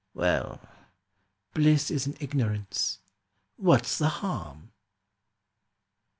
. Well, bliss is in ignorance: what's the harm!"